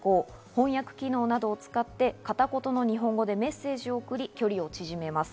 翻訳機能など使って片言の日本語でメッセージを送り、距離を縮めます。